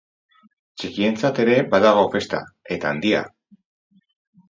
Txikientzat ere badago festa, eta handia.